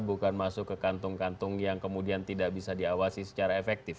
bukan masuk ke kantung kantung yang kemudian tidak bisa diawasi secara efektif